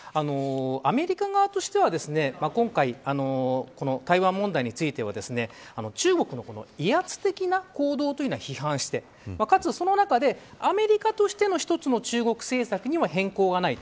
アメリカ側としては今回この台湾問題については中国の李康的な行動というのを批判してかつその中で、アメリカとしての一つの中国製政策には変更がない。